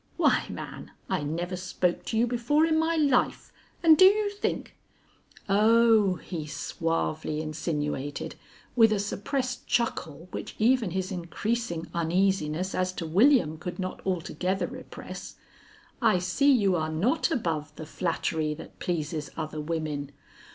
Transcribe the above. Why, man, I never spoke to you before in my life, and do you think " "Oh!" he suavely insinuated, with a suppressed chuckle which even his increasing uneasiness as to William could not altogether repress, "I see you are not above the flattery that pleases other women.